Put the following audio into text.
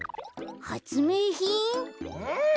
はつめいひん？